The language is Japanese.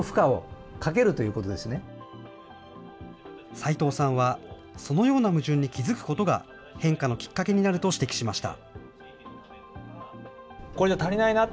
斎藤さんは、そのような矛盾に気付くことが変化のきっかけになると指摘しました。